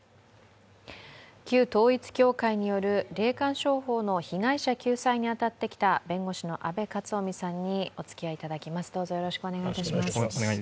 旧統一教会による霊感商法の被害者救済に当たってきた弁護士の阿部克臣さんにおつきあいいただきます。